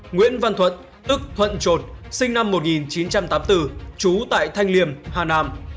nguyễn văn thuận tức thuận chuột sinh năm một nghìn chín trăm tám mươi bốn trú tại thanh liềm hà nam